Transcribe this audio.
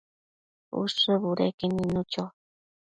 Ushë budeque nidnu cho